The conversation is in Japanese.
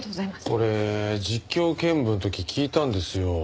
俺実況見分の時聞いたんですよ。